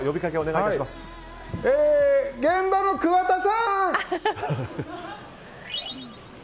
現場の桑田さん！